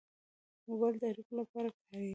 موبایل د اړیکو لپاره کارېږي.